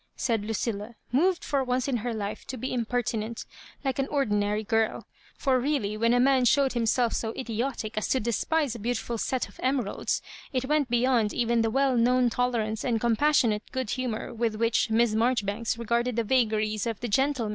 said Lucilla, moved for once in her life to be impertinent^ like an ordinary girl For really when a man showed himself so idiotic as to despise a beautiful set of emeralds, it went beyond even the well known tolerance and compassionate good humour with which Hiss Marjoribanks regarded the vagaries of " the gen tlemea".